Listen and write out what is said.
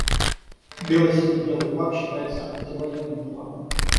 Бело-сине-белый флаг считается антивоенным флагом.